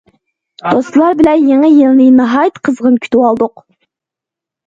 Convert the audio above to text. دوستلار بىلەن يېڭى يىلنى ناھايىتى قىزغىن كۈتۈۋالدۇق.